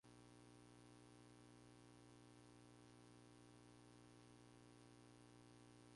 Es posible utilizar las larvas conjuntamente con antibióticos.